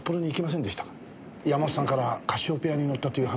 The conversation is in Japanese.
山本さんからカシオペアに乗ったという話は？